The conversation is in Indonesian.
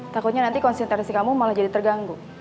takutnya nanti konsentrasi kamu malah jadi terganggu